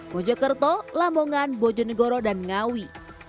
bojokerto lambongan bojonegoro dan ngawi